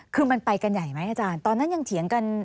คือมันไปกันใหญ่ไหมอาจารย์ตอนนั้นยังเถียงกัน